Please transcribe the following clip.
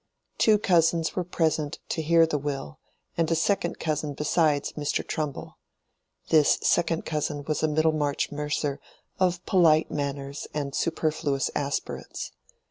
Two cousins were present to hear the will, and a second cousin besides Mr. Trumbull. This second cousin was a Middlemarch mercer of polite manners and superfluous aspirates.